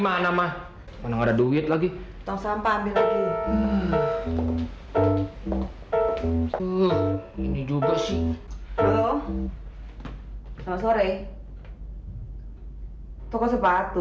mana mah ada duit lagi tong sampah ambil lagi ini juga sih selamat sore toko sepatu